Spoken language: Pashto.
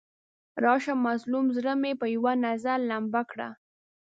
راشه مظلوم زړه مې په یو نظر لمبه کړه.